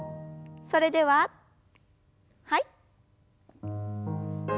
それでははい。